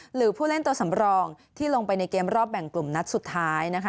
หรือผู้เล่นตัวสำรองที่ลงไปในเกมรอบแบ่งกลุ่มนัดสุดท้ายนะคะ